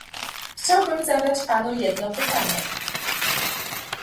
Chciałbym zadać Panu jedno pytanie